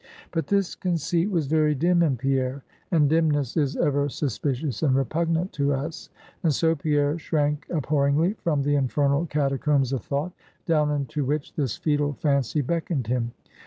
But this conceit was very dim in Pierre; and dimness is ever suspicious and repugnant to us; and so, Pierre shrank abhorringly from the infernal catacombs of thought, down into which, this foetal fancy beckoned him.